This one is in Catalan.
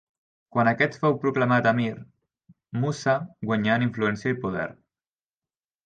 Quan aquest fou proclamat emir, Mussa guanyà en influència i poder.